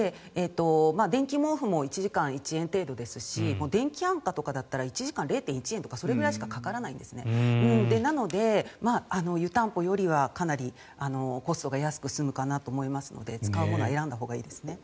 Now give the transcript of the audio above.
電気毛布も１時間１円程度ですし電気あんかとかだったら１時間０．１円とかそれぐらいしかかからないんですなので湯たんぽよりはかなりコストが安く済むかなと思いますので使うものは選んだほうがいいですね。